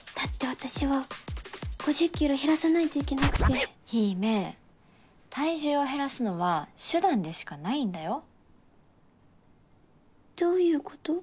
私は５０キロ減らさないといけなくて陽芽体重を減らすのは手段でしかないんだよどういうこと？